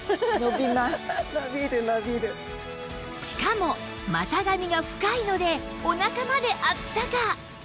しかも股上が深いのでおなかまであったか